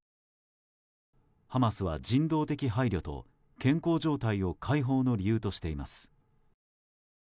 ハマスは人道的配慮と健康状態を解放の理由としています。